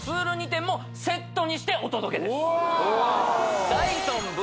２点もセットにしてお届けですうわ